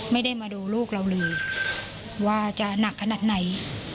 ไม่ได้มาดูลูกเราเลยว่าจะหนักขนาดไหน